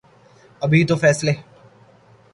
ابھی تو فیصلے